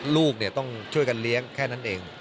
ลูกต้องช่วยกันเลี้ยงแค่นั้นเอง